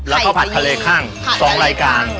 และข้าวผัดทะเลข้างสองรายการ